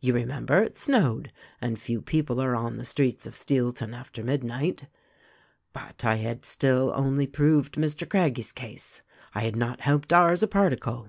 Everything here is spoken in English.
You remember, it snowed, and few people are on the streets of Steelton after midnight. "But I had still only proved Mr. Craggie's case. I had not helped ours a particle.